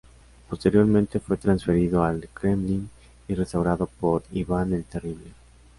Posteriormente fue transferido al Kremlin y restaurado por Iván el Terrible.